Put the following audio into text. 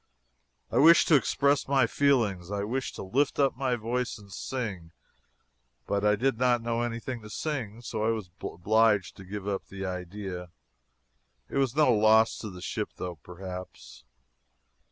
I wished to express my feelings I wished to lift up my voice and sing; but I did not know anything to sing, and so I was obliged to give up the idea. It was no loss to the ship, though, perhaps.